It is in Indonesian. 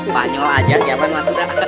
panyol aja kiaman matura